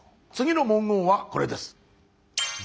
次の文言はこれです。